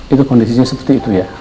itu kondisinya seperti itu ya